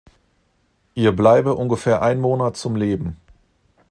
Ihr bleibe ungefähr ein Monat zum Leben.